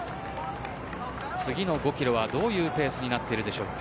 次の５キロはどういうペースになるでしょうか。